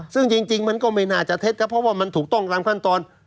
ซึ่งจริงมันก็ไม่น่าจะเท็จครับเพราะว่ามันถูกต้องตามขั้นตอน